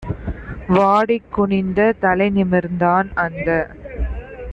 வாடிக் குனிந்த தலைநிமிர்ந்தான் - அந்த